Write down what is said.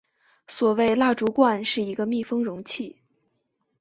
所谓蜡烛罐是一个密封容器。